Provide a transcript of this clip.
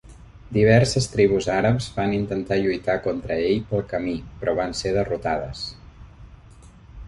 Diverses tribus àrabs van intentar lluitar contra ell pel camí, però van ser derrotades.